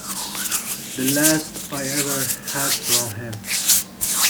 The last I ever had from him.